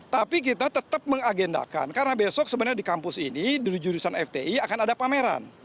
tapi kita tetap mengagendakan karena besok sebenarnya di kampus ini di jurusan fti akan ada pameran